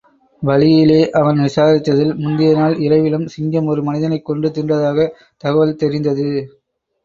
வழியிலே அவன் விசாரித்ததில், முந்திய நாள் இரவிலும் சிங்கம் ஒரு மனிதனைக் கொன்று தின்றதாகத் தகவல் தெரிந்தது.